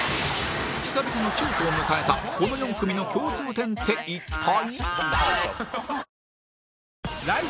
久々にチュートを迎えたこの４組の共通点って一体？